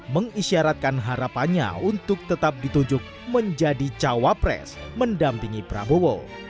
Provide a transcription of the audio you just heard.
mengisyaratkan harapannya untuk tetap ditunjuk menjadi cawapres mendampingi prabowo